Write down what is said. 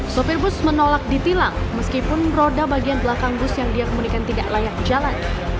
sopir bus menolak ditilang meskipun roda bagian belakang bus yang dia kemunikan tidak layak jalan